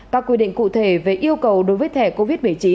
các quy định cụ thể về yêu cầu đối với thẻ covid một mươi chín